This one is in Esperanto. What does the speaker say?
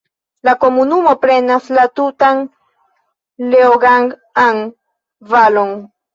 La komunumo prenas la tutan Leogang-an valon.